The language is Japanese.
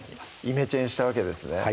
イメチェンしたわけですね